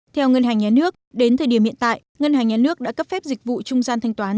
theo ngân hàng nhà nước đến thời điểm hiện tại ngân hàng nhà nước đã cấp phép dịch vụ trung gian thanh toán